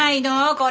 これ。